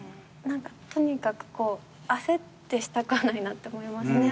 とにかくこう焦ってしたくないなって思いますね。